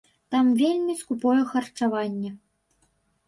Там вельмі скупое харчаванне.